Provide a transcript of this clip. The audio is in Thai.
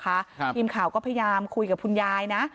ทีมข่าวก็พยายามคุยกับคุณยายนะ